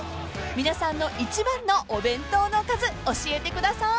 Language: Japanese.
［皆さんの一番のお弁当のおかず教えてください］